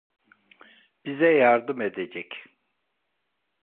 Bize yardım edecek.